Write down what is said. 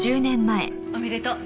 おめでとう。